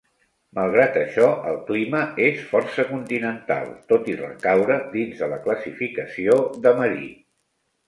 Malgrat això, el clima és força continental, tot i recaure dins de la classificació de marí.